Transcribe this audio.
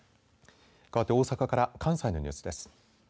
かわって大阪から関西のニュースです。